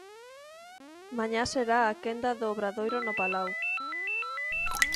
Mañá será a quenda do Obradoiro no Palau.